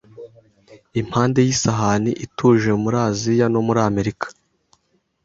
Impande y'isahani ituje muri Aziya no muri Amerika